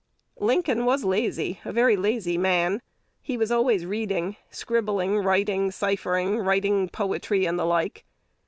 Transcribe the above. Lincoln was lazy, a very lazy man. He was always reading, scribbling, writing, ciphering, writing poetry, and the like....